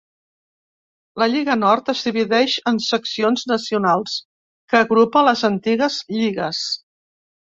La Lliga Nord es divideix en seccions nacionals, que agrupa les antigues lligues.